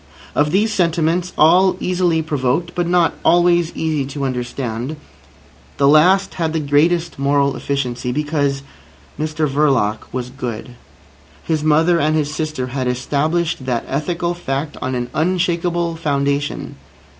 Of these sentiments, all easily provoked, but not always easy to understand, the last had the greatest moral efficiency—because Mr Verloc was good. His mother and his sister had established that ethical fact on an unshakable foundation.